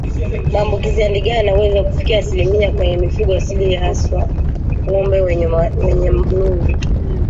Maambukizi ya ndigana huweza kufikia asilimia mia kwenye mifugo asilia hasa ngombe wenye nundu